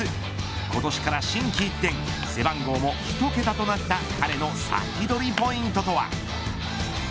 今年から心機一転背番号も１桁となった彼の先取りポイントとは。